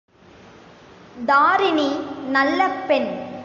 தாரிணி நல்ல பெண்.